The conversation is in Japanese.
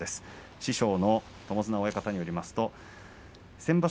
師匠の友綱親方によりますと先場所